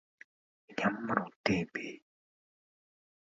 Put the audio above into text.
Энэ ямар үнэтэй юм бэ?